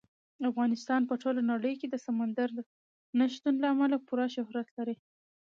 افغانستان په ټوله نړۍ کې د سمندر نه شتون له امله پوره شهرت لري.